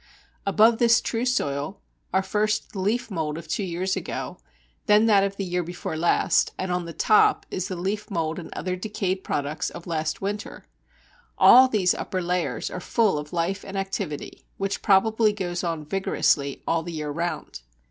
Above this true soil are first the leaf mould of two years ago, then that of the year before last, and on the top is the leaf mould and other decayed products of last winter. All these upper layers are full of life and activity, which probably goes on vigorously all the year round.